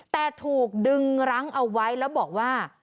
แต่ถูกดึงรั้งเอาไว้แล้วบอกว่า